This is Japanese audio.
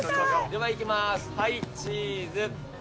ではいきます、はい、チーズ。